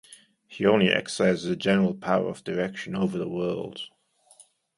He only exercises a general power of direction over the world.